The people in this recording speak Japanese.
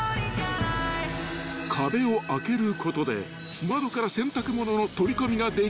［壁を開けることで窓から洗濯物の取り込みができるように］